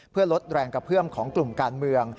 เพื่อลดแรงกระเพื่อมของกลุ่มการเมือง